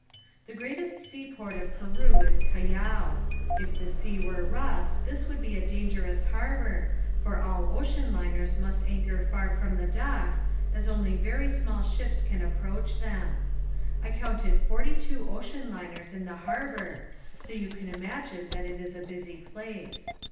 The greatest seaport of Peru is Callao. If the sea were rough this would be a dangerous harbor for all ocean liners must anchor far from the docks as only very small ships can approach them. I counted forty two ocean liners in the harbor so you can imagine that it is a busy place.